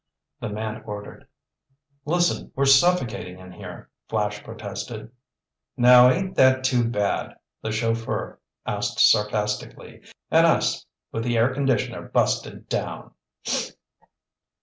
the man ordered. "Listen, we're suffocating in here," Flash protested. "Now ain't that too bad?" the chauffeur asked sarcastically. "And us with the air conditioner busted down!"